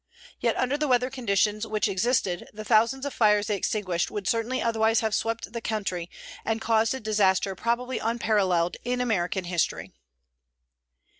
Yet under the weather conditions which existed the thousands of fires they extinguished would certainly otherwise have swept the country and caused a disaster probably unparalleled in American history.